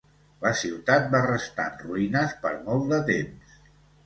La ciutat va restar en ruïnes per molt de temps.